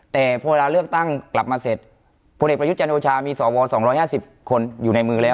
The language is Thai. แต่พอเราเลือกตั้งกลับมาเสร็จพลเอกประยุทธจันโอชามีสอวรสองร้อยห้าสิบคนอยู่ในมือแล้ว